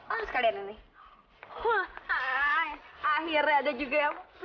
akhirnya ada juga